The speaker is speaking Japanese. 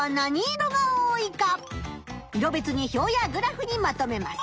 色別に表やグラフにまとめます。